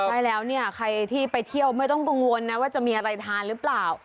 ใช่แล้วเนี่ยใครที่ไปเที่ยวไม่ต้องกังวลนะว่าจะมีอะไรทานหรือเปล่า